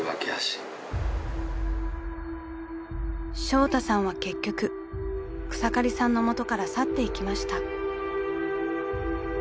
［ショウタさんは結局草刈さんの元から去っていきました］